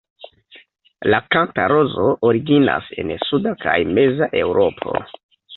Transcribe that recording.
La kampa rozo originas en suda kaj meza Eŭropo.